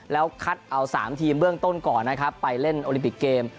แล้วคัดเอา๓ทีมเบื้องต้นก่อนนะครับไปเล่นโอลิมปิกเกม